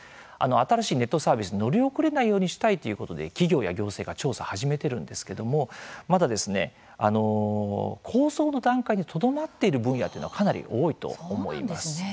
新しいネットサービスに乗り遅れないようにしたいということで企業や行政が調査を始めているんですけれどもまだ構想の段階にとどまっている分野というのはかなり多いと思います。